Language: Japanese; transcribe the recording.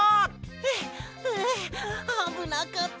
はあはああぶなかった。